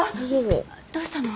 どうしたの？